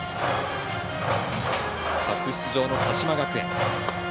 初出場の鹿島学園。